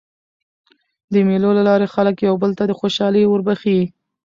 د مېلو له لاري خلک یو بل ته خوشحالي وربخښي.